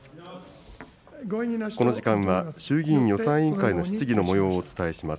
この時間は、衆議院予算委員会の質疑のもようをお伝えします。